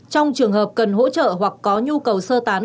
trong trường hợp cần hỗ trợ hoặc có nhu cầu sơ tán